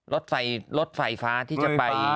รถไฟรถไฟฟ้าที่จะไป